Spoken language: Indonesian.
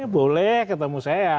boleh ketemu saya